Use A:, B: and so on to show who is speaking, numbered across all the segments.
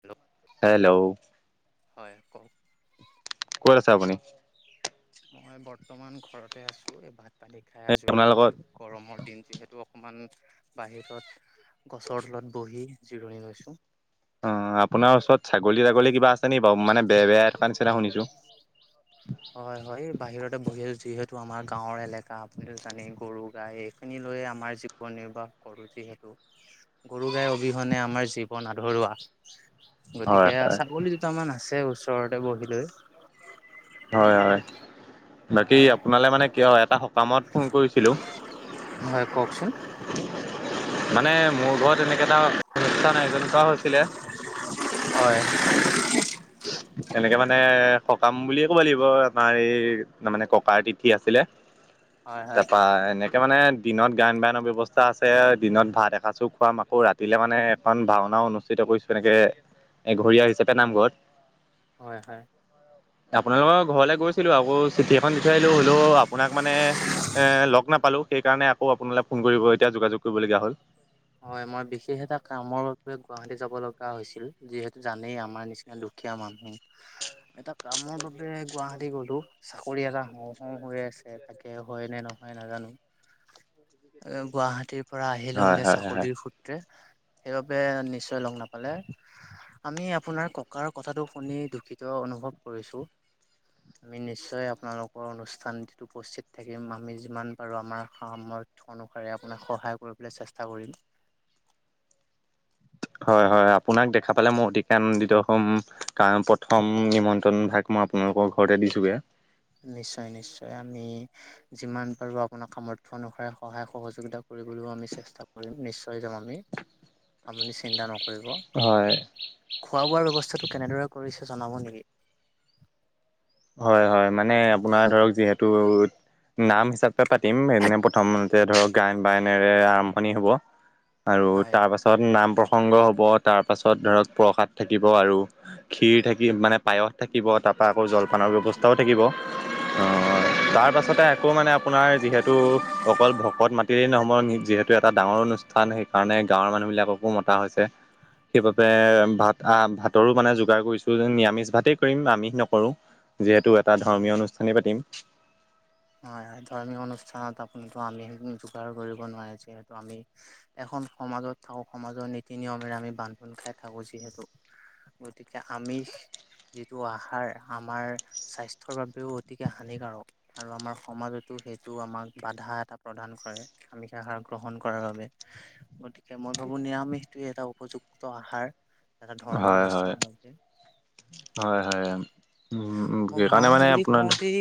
A: Hello
B: hello!
A: হয়, আকৌ।
B: ভাল আছে আপুনি?
A: মই বৰ্তমান ঘৰতে আছোঁ। এই বাট পানী খাই
B: এই
A: আজৰি
B: আপোনাৰ লগত
A: হৈছোঁ। গৰমৰ দিন যিহেতু, অকমান বাহিৰত, গছৰ তলত বহি জিৰণি লৈছোঁ।
B: অ'! আপোনাৰ ওচৰত ছাগলী তাগলী কিবা আছে নি বাৰু? মানে, বে বেয়াই থকা নিচিনা শুনিছোঁ।
A: হয়, হয়। এই, বাহিৰতে বহি আছোঁ। যিহেতু, আমাৰ গাঁৱৰ এলেকা। আপুনি জানেই, গৰু, গাই, এইখিনি লৈয়ে আমাৰ জীৱন নিৰ্বাহ কৰোঁ যিহেতু। গৰু- গাই অবিহনে আমাৰ জীৱন আধৰুৱা!
B: হয়
A: গতিকে,
B: হয়
A: ছাগলী দুটামান আছে, ওচৰতে বহি লৈ।
B: হয়, হয়। বাকী,
A: হয়
B: আপোনালৈ মানে, কিয়? এটা সকামত ফোন কৰিছিলোঁ।
A: হয়, কওঁকচোন?
B: মানে, মোৰ ঘৰত এনেকা এটা, অনুষ্ঠান আয়োজন কৰা হৈছিলে।
A: হয়
B: এনেকে মানে, সকাম বুলিয়ে ক'ব লাগিব। আমাৰ এই, তাৰ মানে, ককাৰ তিথি আছিলে।
A: হয় হয়
B: তাৰপা, এনে এতিয়া মানে, দিনত গায়ন, বায়নৰ ব্যৱস্থা আছে। দিনত ভাত এসাজোঁ খুৱাম। আকৌ, ৰাতিলে মানে, এখন ভাওনা অনুষ্ঠিত কৰিছোঁ। এনেকে, এঘৰীয়া হিচাপে নামঘৰত
A: হয় হয়
B: আপোনালোকৰ ঘৰলৈ গৈছিলোঁ। আকৌ, চিঠি এখন বিচাৰিলোঁ। হ'লেও আপোনাক মানে, এ, লগ নাপালোঁ। সেই কাৰণে, আকৌ আপোনালে ফোন কৰিব, এতিয়া যোগাযোগ কৰিবলগীয়া হ'ল।
A: হয়! মই বিশেষ এটা কামৰ বাবে গুৱাহাটী যাব লগা [unintelligible] হৈছিল। যিহেতু, জানেই আমাৰ নিচিনা দুখীয়া মানুহ এটা কামৰ বাবে গুৱাহাটী গলোঁ। চাকৰি এটা হওঁ হওঁ হৈ আছে। তাকে, হয় নে ন মই নাজানোঁ।
B: [unintelligible]
A: এ গুৱাহাটীৰ পৰা আহিলুং
B: হয়
A: এ
B: হয়
A: চাকৰিৰ সূত্ৰে। সেইবাবে নিশ্চয় লগ নাপালে। আমি আপোনাৰ ককাৰ কথাটো শুনি দুূখিত অনুভৱ কৰিছোঁ। আমি নিশ্চয় আপোনালোকৰ অনুষ্ঠান যিটো উপস্থিত থাকিম আমি যিমান পাৰো আমাৰ সামৰ সেইটো অনুসাৰে আপোনাক সহায় কৰিবলৈ চেষ্টা কৰিম।
B: হয়, হয়, আপোনাক দেখা পালে মই অতিকে আনন্দিত হ'ম, কাৰণ প্ৰথম নিমন্ত্ৰণ ভাগ মই আপোনালোকৰ ঘৰতে দিছোগে এয়।
A: নিশ্চয় নিশ্চয়, আমি যিমান পাৰো আপোনাক সমৰ্থ্য অনুসাৰে সহায় সহযোগিতা কৰ [unintelligible] চেষ্টা কৰিম নিশ্চয় যাম আমি, আপুনি চিন্তা নক কৰিব।
B: হয়
A: খোৱা বোৱাৰ ব্যৱস্থাটো কেনেদৰে কৰিছে জনাব নেকি?
B: হয়, হয়, মানে আপোনাৰ ধৰক যিহেতু নাম হিচাপে পাতিম সেইদিনা প্ৰথমতে ধৰক গায়ন বায়নেৰে আৰম্ভণি হ'ব। আৰু
A: হয়
B: তাৰপাছত নাম প্ৰসংগ হ'ব তাৰপাছত ধৰক প্ৰসাদ থাকিব আৰু। খীৰ থাকি মানে পায়স থাকিব তাৰ পৰা আকৌ জলপানৰ ব্যৱস্থাও থাকিব।
A: হয়,
B: তাৰ পাছতে আকৌ মানে আপোনাৰ যিহেতু, অকল ভকত মাতিলে নহব নিজে সেইটো এটা ডাঙৰ অনুষ্ঠান সেইকাৰণে গাঁৱৰ মানুহ বিলাককো মতা হৈছে। সেইবাবে ভাত আহ ভাতৰো মানে যোগাৰ কৰিছো নিৰামিষ ভাতেই কৰিম আমিষ নকৰোঁ। যিহেতু এটা
A: হয়
B: ধৰ্মীয় অনুষ্ঠানেই পাতিম।
A: হয়, হয়, ধৰ্মিক অনুষ্ঠানত আপুনিতো আমিষ যোগাৰ কৰিব নোৱাৰে যিহেতু আমি, এখন খন, সমাজত থাকোঁ সমাজৰ নীতি নিয়মেৰে আমি বান্ধোন খাই থাকো যিহেতু গতিকে আমিষ যিটো আহাৰ আমাৰ, স্বাস্থ্যৰ বাবেও অতিকে হানিকাৰক। আৰু আমাৰ সমাজতো সেইটো আমাক বাধা এটা প্ৰদান কৰে, আামিষ আহাৰ গ্ৰহণ কৰাৰ বাবে। গতিকে মই ভাবো নিৰামিষটোৱে এটা উপযুক্ত আহাৰ। এটা ধৰ্মীয়
B: হয় হয়
A: অনুষ্ঠানৰ লৈকে।
B: হয়, হয়, উম, উম,
A: মই
B: সেইকাৰণে
A: ভাওনা
B: মানে
A: বুলি
B: আপোনাৰ
A: কওঁতেই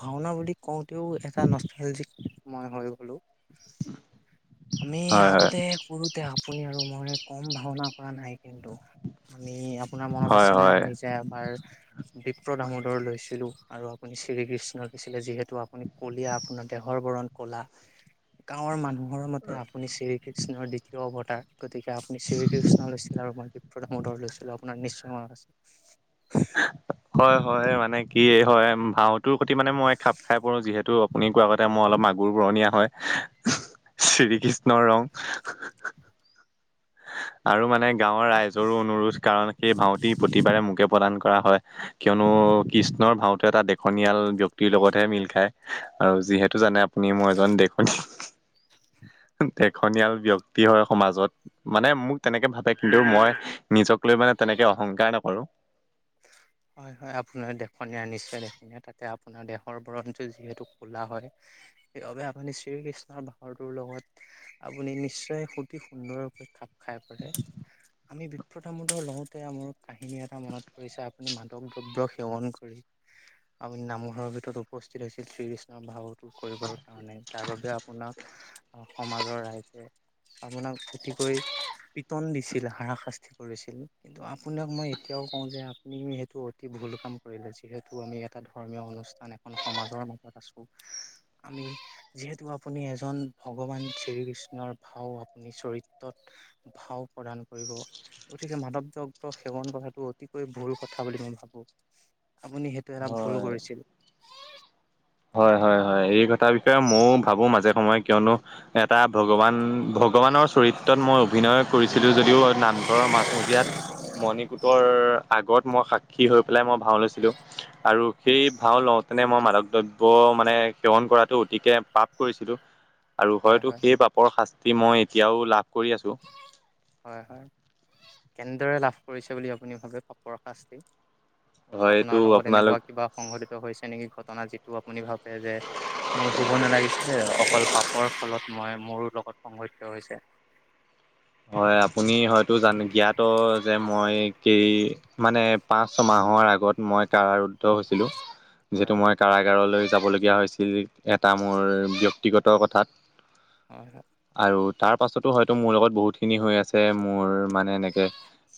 A: ভাওনা বুলি কওঁতেও এটা নষ্টালজিক, মই হৈ গ'লো। আমি
B: হয়
A: আগতে কৰোতে, আপুনি আৰু মই। কম ভাওনা কৰা নাই কিন্তু, আমি আপোনাৰ মনত
B: হয় হয়
A: আছেনে
B: হয়
A: আমি যে এবাৰ বিপ্ৰদ দামোদৰ লৈছিলো, আৰু আপুনি শ্ৰীকৃষ্ণ লৈছিলে যিহেতু আপুনি কলিয়া আপোনাৰ দেহৰ বৰ বৰণ কলা, গাওঁৰ মানুহৰ মতে আপুনি শ্ৰীকৃষ্ণৰ দ্বিতীয় অৱতাৰ, গতিকে আপুনি শ্ৰীকৃষ্ণৰ নিচিনা ৰমে [unintelligible] লৈছিলো আপোনাৰ নিশ্চয় মনত আছে।
B: হয়, হয়, মানে কি হয় ভাও তোৰ প্ৰতি মানে মই খাপ খাই পৰো যিহেতু আপুনি কোৱা আগতে মই অলপ মাগুৰ বৰণীয়া হয়। শ্ৰীকৃষ্ণৰ ৰং। আৰু মানে গাঁৱৰ ৰাইজৰো অনুৰোধ কাৰনে সেই ভাওটি প্ৰতিবাৰে মোকে প্ৰদান কৰা হয়, কিয়নো কৃষ্ণৰ ভাওটো এটা দেশনিয়াল ব্যক্তি টিৰ লগতহে মিল খায় আৰু যিহেতু জানে আপুনি মই এজন [unintelligible] দেশনীয়াল ব্যক্তি হয় সমাজত। মানে মোক তেনেকে ভাতে কিন্তু মই, নিজক লৈ মানে তেনেকে অহংকাৰ নকৰোঁ। [unintelligible]
A: হয়, হয় আপোনাৰ দেখনীয়া নিশ্চয় দেখনিয়া তাতে আপোনাৰ দেহৰ বৰণটো যিহেতু কোলা হয়। সেইবাবে আপুনি শ্ৰীকৃষ্ণৰ ভাওটোৰ লগত, আপুনি নিশ্চয় সুতি সুন্দৰ ৰুপে খাপ খাই পৰে, আমি বিপ্ৰতামদ লওঁতে আমোৰ কাহিনী এটা মনত পৰিছে আপ আপুনি মাদক দ্ৰব্য সেৱন কৰি, আপুনি নামঘৰৰ ভিতৰত উপস্থিত হৈছিল শ্ৰীকৃষ্ণৰ ভাওত টো, কৰিবৰ কাৰণে, যাৰ বাবে আপোনাক সমাজৰ ৰাইজে আপোনাক অতিকৈ পিটন দিছিল, হাৰাশাস্তি কৰিছিল কিন্তু আপোনাক মই এতিয়াও কওঁ যে নি মি সেইটো অতি ভুল কাম কৰিলে যিহেতু আমি এটা ধৰ্মীয় অনুষ্ঠান এখন সমাজৰ মাজত আছোঁ। আমি যিহেতু আপুনি এজন ভগৱান শ্ৰীকৃষ্ণৰ ভাও আপুনি চৰিত্ৰ ভাও প্ৰদান কৰিব গতিকে মাদক দৈব্য সেৱন কৰাটো অতিকৈ ভুল। কথা বুলি মই ভাবো আপুনি সেইটো এটা ভুল
B: হয়
A: কৰিছিল।
B: হয় হয় হয় এই কথাৰ বিষয়ে ময়ো ভাবো মাজে সময়ে কিয়নো এটা ভগৱান। ভগৱানৰ চৰিত। তত মই অভিনয় কৰিছিলোঁ যদিও নামঘৰৰ মাজ মজিয়াত মণিকোটৰ
A: হয়
B: আগত মই সাক্ষী হৈ পেলাই মই ভাও লৈছিলোঁ, আৰু
A: হয়
B: সেই ভাও লওঁতেনে মই মাদক দ্ৰব- প মানে সেৱন কৰাতটো অতিকে পাপ কৰিছিলো আৰু
A: হয়
B: হয়তো
A: হয়
B: সেই পাপৰ শাস্ত- তি মই এতিয়াও লাভ কৰি আছোঁ।
A: হয় হয় কেনেদৰে লাভ কৰিছে বুলি আপুনি ভাবে পাপৰশাস্তি।
B: হয়তো
A: আপোনাৰ লগত
B: আপোনালোক
A: এনেকুৱা কিবা সংঘটিত হৈছে নেকি ঘটনা যিটো আপুনি ভাবে যে মোৰ হ'ব নালাগিছে যে অকল পাপৰ ফলত মই মোৰো লগত সংঘটিত হৈছে।
B: হয় আপুনি হয়তো জান জ্ঞাত যে মই কেই- মানে পাঁচ ছমাহৰ আগত মই কাৰাৰুদ্ধ হৈছিলো
A: হয়
B: যিহেতু মই
A: হয়
B: কাৰাগাৰলৈ যাবলগীয়া হৈছিল, এটা মোৰ ব্যক্তিগত কথাত
A: হয় হয়
B: আৰু তাৰ পাছতো হয়তো মোৰ লগত বহুত খিনি হৈ আছে মোৰ মানে এনেকে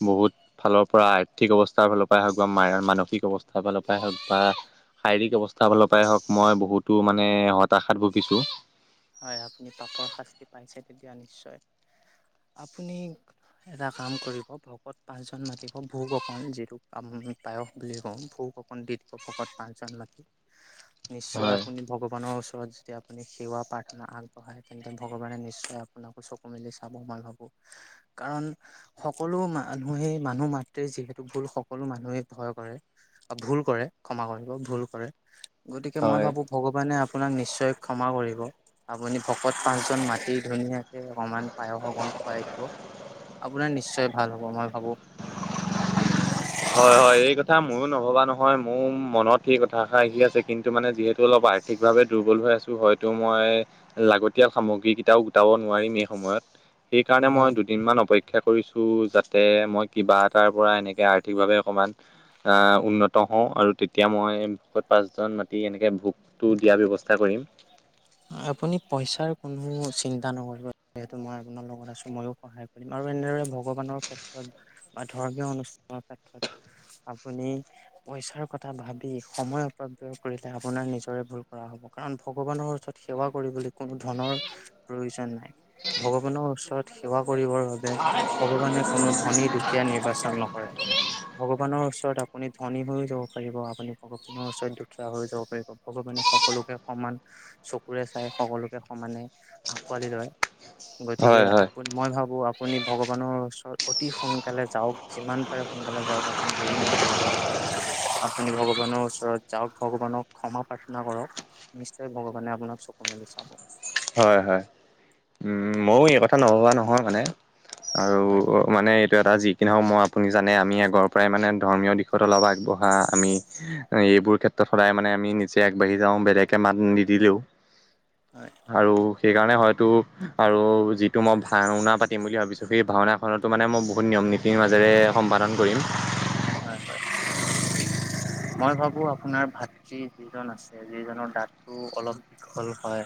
B: বহুত ফালৰ পৰা আৰ্থিক অৱস্থাৰ ফালৰ পৰা হওঁক বা মা- মায়ৰ মানসিক অৱস্থাৰ ফালৰ পৰাই হওক বা শাৰীৰিক অৱস্থা ফালৰ পৰাই হওক মই বহুতো মানে হতাশাত ভুগিছো।
A: হয় আপুনি পাপৰ শাস্তি পাইছে তেতিয়া নিশ্চয়। আপুনি এটা কাম কৰিব ভকত পাঁচজন মাতিব ভোগ অক যিটো কাম পায়স বুলি কওঁ ভোক অকন দি ভকত পাঁচজন মাতি। নিশ্চয়
B: হয়
A: আপুনি ভগৱানৰ ওচৰত যেতিয়া আপুনি সেৱা পা- ৰ্থনা আগবঢ়াই তেন্তে ভগৱানে নিশ্চয় আপোনাকো চকু মেলি চাব মই ভাবো। কাৰণ সকলো মানুহে মানুহ মাতৃ যিহেতু ভুল সকলো মানুহে ভয় কৰে বা ভুল কৰে। ক্ষমা কৰিব ভুল কৰে, গতিকে
B: হয়
A: মই ভাবো ভগৱানে আপোনাক নিশ্চয় ক্ষমা কৰিব। আপুনি ভকত পাঁচ জন মাটি ধুনীয়াক কে অকমান পায়স অকন খুৱাই দিব আপোনাৰ নিশ্চয়। ভাল হ'ব মই ভাবো।
B: হয় হয় এই কথা ময়ো নভবা নহয় মোৰ মনত সেই কথাষা আহি আছে, কিন্তু মানে যিহেতু অলপ আৰ্থিকভাৱে দুৰ্বল হৈ আছো, হয়তো মই। মই লাগতিয়াল সামগ্ৰী কেইটাও গোটাব নোৱাৰিম এই সময়ত। সেইকাৰণে মই
A: হয়
B: দুদিন মান অপেক্ষা কৰিছো যাতে মই কিবা এটাৰ পৰা এনেকে আৰ- সঠিকভাৱে অকণমান উন্নত হওঁ আৰু তেতিয়া মই ভোকত পাঁচজন মাতি এনেকৈ ভোক- টো দিয়াৰ ব্যৱস্থা কৰিম।
A: আপুনি পইচাৰ কোনো চিন্তা নকৰিব যিহেতু মই আপোনাৰ লগত আছো ময়ো সহায় কৰিম। আৰু এনেদৰে ভগৱানৰ ক্ষেত্ৰত বা ধৰ্মীয় অনুষ্ঠানৰ ক্ষেত্ৰত আপুনি পইচাৰ কথা ভাবি সময় অপব্যয় কৰিলে আপোনাৰ নিজৰে ভুল কৰা হ'ব। কাৰণ ভগৱানৰ ওচৰত সেৱা কৰিবলৈ কোনো ধনৰ প্ৰয়োজন নাই, ভগৱানৰ ওচৰত সেৱা কৰিবৰ বাবে ভগৱানে কোনো ধনী, দুখীয়া নিৰ্বাচন নকৰে। ভগৱানৰ ওচৰত আপুনি ধনী হৈ যাব পাৰিব, আপুনি ভগৱানৰ ওচৰত দুখীয়া হৈ যাব পাৰিব ভগৱানে সকলোকে সমান চ- কুৰে চাই সকলোকে সমানে আকোৱালি লয়, গতিকে
B: হয় হয়
A: আপোন মই ভাবো আপুনি ভগৱানৰ ওচৰত অতি সোনকালে যাওক, যিমান পাৰে সোনকালে যাওক আপুনি দেৰি নকৰিব। আপুনি ভগৱানৰ ওচৰত যাওক ভগৱানক ক্ষমা প্ৰাৰ্থনা কৰক নিশ্চয় ভগৱানে আপোনাক চকু মেলি চাব।
B: হয় হয় উম মইয়ো এই কথা নভবা নহয় মানে। আৰু
A: হয় হয়
B: মানে। এটা যি কি নহওঁক মই আপুনি জানে আমি আগৰ পৰাই মানে ধৰ্মীয় দিশত অলপ আগবঢ়া, আমি এই এইবোৰ ক্ষেত্ৰত সদায় মানে আমি নিজে আগবাঢ়ি যাওঁ বেলেকে মাত নিদিলেও।
A: হয়
B: আৰু সেইকাৰণে হয়তো আৰু যিটো মই ভাওনা পাতিম বুলি ভাবিছো সেই ভাওনা খনতো মানে মই বহুত নিয়ম নীতিৰ মাজেৰে সম্পাদন কৰিম।
A: হয় হয়।
B: অ।
A: মই ভাবো আপোনাৰ ভাতৃ যিজন আছে যিজনৰ দাঁতটো অলপ দীঘল হয়।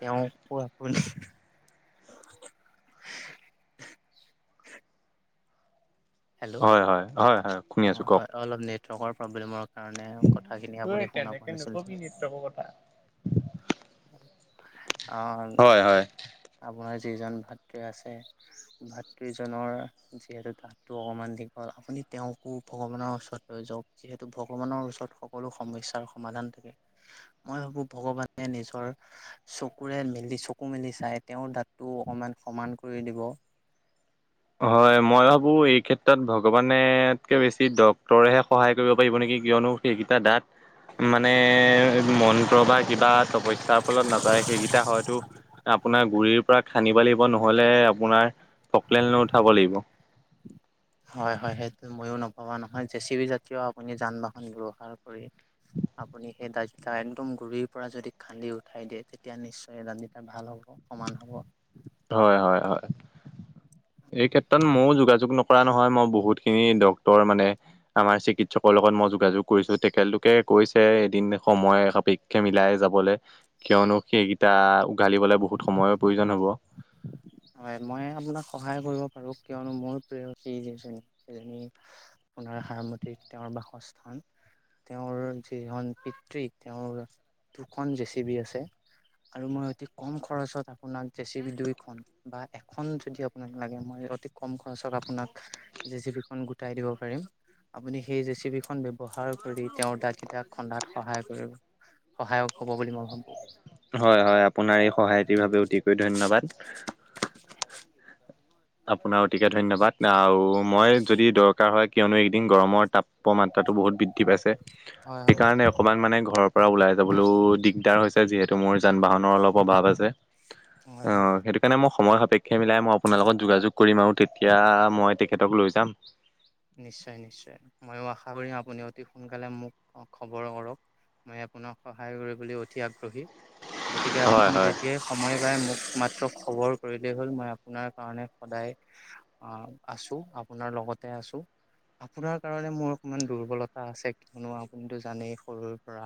A: তেওঁ ক আপুনি
B: [inaudible]
A: হেল্ল'
B: হয় হয় হয় হয় শুনি
A: অ
B: আছোঁ কওক
A: হয় অলপ নেটৱৰ্কৰ প্ৰব্লেমৰ কাৰণে কথাখিনি আপুনি শুনা পোৱা
B: তেনেকে
A: নাছিল যে
B: নকবি নৃত্যকৰ কথা।
A: অ
B: হয়
A: আপোনাৰ যিজন ভাতৃ আছে ভাতৃজনৰ যিহেতু তা টো অকমান দীঘল আপুনি তেওঁকো ভগৱানৰ ওচৰত লৈ যাওক যিহেতু ভগৱানৰ ওচৰত সকলো সম- স্যাৰ সমাধান থাকে মই ভাবো ভগৱানে নিজৰ চকুৰে মেলি চকু মেলি লি চাই তেওঁৰ দাঁতটো অকমান সমান কৰি দিব।
B: [inaudible] হয় মই ভাবো এই ক্ষেত্ৰত ভগৱানতকে বেছি ডক্তৰেহে সহায় কৰিব পাৰিব নেকি? কিয়নো সেইকেইটা দাত মানে মন্ত্ৰ বা কিবা তপস্যাৰ ফলত নাযায় সেইকেইটা হয়তো আপোনাৰ গুৰিৰ পৰা খানিব লাগিব নহলে আপোনাৰ টকলেন লৈ উঠাব লাগিব।
A: হয় হয় সেইটো ময়ো নভবা নহয়, জে চ বি জাতীয় আপুনি যান বাহন ব্যৱহাৰ কৰি আপুনি সে দা- এ একদম গুৰিৰ পৰা যদি খান্দি উঠাই দিয়ে তেতিয়া নিশ্চয় দাতটো ভাল হ'ব সমান হ'ব।
B: হয় হয় হয় এই ক্ষেত্ৰত মইও যোগাযোগ নক- কৰা নহয় মই বহুতখিনি ডক টৰ মানে আমাৰ চিকিৎসকৰ লগত মই যোগাযোগ কৰিছো তেখেতলোকে কৈছে এদিন সময় সাপ পেক্ষে মিলাই যাবলে কিয়নো সেইকেইটা উঘালিবলৈ বহুত সময়ৰ প্ৰয়োজন হ'ব।
A: হয় মই আপোনাক সহায় কৰিব পাৰো কিয়নো মোৰ প্ৰিয়শী যিজনী সেইজনী পুনাৰ সা সমতিত তেওঁৰ বাসস্থান। তেওঁৰ যিখন পিতৃ তেওঁৰ দুখন জে চি বি আছে। আৰু মই অতি কম খৰচত আপোনাক জেচিবি দুইখন বা এখন যদি আপোনাক লাগে মই অতি কম খৰচত আপোনাক জে চি বিখন গোটাই দিব পাৰিম। আপুনি সেই জেছিবি খন ব্যৱহাৰ কৰি তেওঁৰ গাত কেইটাক খন্দাত সহায় কৰিব। সহায়ক হব বুলি মই ভাবো।
B: হয় হয় আপোনাৰ এই সহায়টিৰ বাবে অতিকৈ ধন্যবাদ। আপোনাৰ অতিকে ধন্যবাদ আৰু মই যদি দৰকাৰ হয় কিয়নো এদিন গৰমৰ তাপ তাপমাত্ৰাতো বহুত বৃদ্ধি পাইছে
A: হয়
B: সেইকাৰণে অকমান মানে ঘৰৰ পৰা ওলাই যাবলৈও দিগদাৰ হৈছে। যিহেতু মোৰ যান বাহনৰ অলপ অভাৱ আছে।
A: হয় হয় হয়
B: সেতু কাৰণে ম- সময় সাপেক্ষে মিলাই মই আপোনাৰ লগত যোগাযোগ কৰিম আৰু তেতিয়া মই তেখেতক লৈ যাম।
A: নিশ্চয় নিশ্চয় ময়ো আশা কৰিম আপুনি অতি সোনকালে মোক খবৰ কৰক। মই আপোনাক সহায় কৰিবলৈ অতি আগ্ৰহী গতিকে
B: হয়
A: আপুনি
B: হয়
A: যেতিয়াই সময় পায় মোক মাত্ৰ খবৰ কৰিলেই হ'ল মই আপোনাৰ কাৰণে সদায় অ আছো আপোনাৰ লগত কতে আছোঁ।
B: [inaudible]
A: আপোনাৰ কাৰণে মোৰ অকমান দুৰ্বলতা আছে, কিয়নো আপুনিতো জানেই সৰুৰ পৰা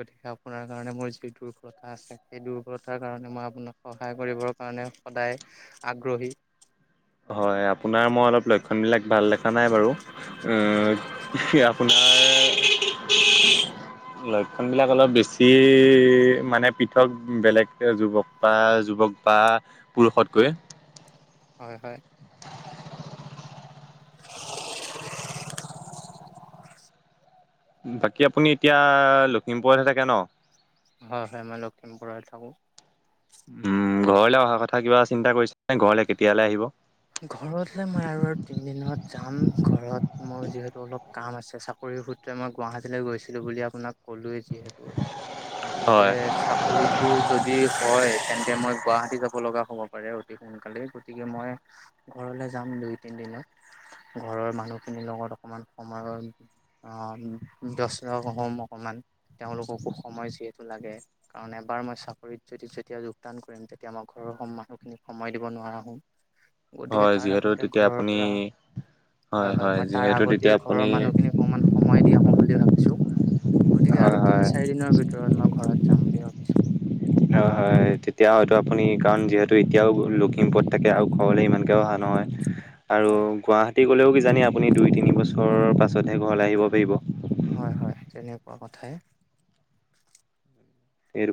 A: গতিকে আপোনাৰ কাৰণে মোৰ যি দুৰ্বলতা আছে। সেই দুৰ্বলতাৰ কাৰণে মই আপোনাক সহায় কৰিবৰ কাৰণে সদায় আগ্ৰহী
B: হয় আপোনাৰ মই অলপ ল কামবিলাক ভাল দেখা নাই বাৰু উম আপোনাৰ লৈ কামবিলাক অলপ বেছিয়েই মানে পৃথক বেলেগ যুৱক বা যুৱক বা বাত পুৰুষতকৈ
A: হয় হয়।
B: বাকী আপুনি এতিয়া লখিমপুৰতহে থাকে ন?
A: হয় হয় মই লখিমপুৰত থাকো।
B: উম ঘৰলে অহা কথা কিবা চিন্তা কৰিছেনে ঘৰলে কেতিয়ালৈ আহিব?
A: ঘৰতহে মই আৰু তিন দিনত যাম ঘৰত মোৰ যিহেতু অলপ কাম আছে চাক সেইসূত্ৰে মই গুৱাহাটীলৈ গৈছিলোঁ বুলি আপোনাক কলোৱে যিহেতু গতিকে
B: হয়
A: চাকৰিটো যদি হয় তেন এতিয়া মই গুৱাহাটী যাব লগা হ'ব পাৰে অতি সোনকালেই গতিকে মই ঘৰলৈ যাম দুই তিন দিনত। ঘৰৰ মানুহখিনিৰ লগত অকমান সময়ৰ আহ ব্যস্ত হম অকমান তেওঁলোককো সময় যিহেতু লাগে, কাৰণ এবাৰ মই চাকৰিত যদি যেতিয়া যোগদান কৰিম তেতিয়া আমাৰ ঘৰৰ মানুহ খিনিক সময় দিব নোৱাৰা হম। গতিকে
B: হয়
A: তাৰ
B: যিহেতু
A: আগতে
B: তেতিয়া
A: ঘৰৰ
B: আপুনি
A: পৰা হয় হয় মই তাৰ
B: যিহেতু
A: আগতে
B: তেতিয়া
A: ঘৰৰ
B: আপুনি
A: মানুহখিনিক অকমান সময় দি আহো বুলি ভাবিছো। গতিকে
B: হয়
A: আৰু
B: হয়
A: তিনি চাৰি দিনৰ ভিতৰত মই ঘৰত যাম বুলি ভাবিছো।
B: হয় হয় তেতিয়া হয়টো আপুনি কাৰণ যিহেতু এতিয়াও লখিমপুৰত থাকে আৰু ঘৰলে ইমানকে অহা নহ হয়। আৰু
A: হয়
B: গুৱাহাটী গ'লেও কিজানি আপুনি দুই তিনি বছৰৰ পাছতহে ঘৰলৈ আহিব পাৰিব।
A: হয় হয় তেনেকুৱা কথাই।
B: এই